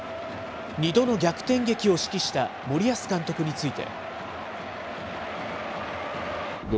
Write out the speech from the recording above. ２度の逆転劇を指揮した森保監督について。